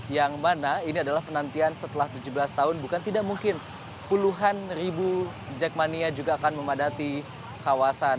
yang mana ini adalah penantian setelah tujuh belas tahun bukan tidak mungkin puluhan ribu jakmania juga akan memadati kawasan